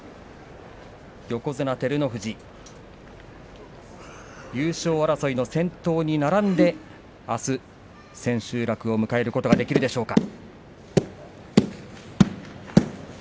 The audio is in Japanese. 横綱照ノ富士優勝争いの先頭に並んであす千秋楽を迎えることができるでしょうか。